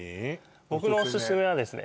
僕のおすすめはですね